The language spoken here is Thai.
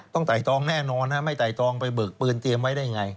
ต้องไต่ตรองแน่นอนไม่ไต่ตรองไปเบิกปืนเตรียมไว้ได้อย่างไร